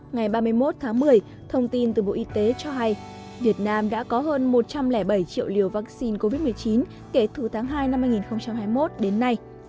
ngày ba mươi một tháng một mươi thông tin từ bộ y tế cho hay việt nam đã có hơn một trăm linh bảy triệu liều vaccine covid một mươi chín kể từ tháng hai năm hai nghìn hai mươi một đến nay